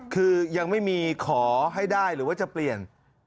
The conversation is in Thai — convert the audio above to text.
คือยังไม่มีขอให้ได้หรือว่าจะเปลี่ยน